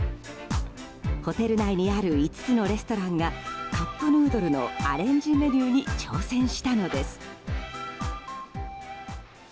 ホテル内にある５つのレストランがカップヌードルのアレンジメニューに挑戦したのです。